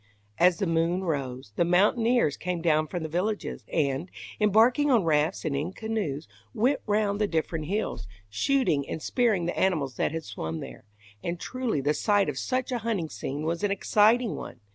As the moon rose, the mountaineers came down from the villages, and, embarking on rafts and in canoes, went round the different hills, shooting and spearing the animals that had swum there; and truly the sight of such a hunting scene was an exciting one.